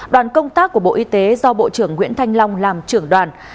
đoàn công tác của bộ y tế do bộ trưởng nguyễn thanh long làm trưởng đoàn